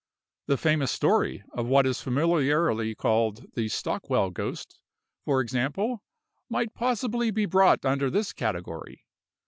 The famous story of what is familiarly called the Stockwell ghost, for example, might possibly be brought under this category.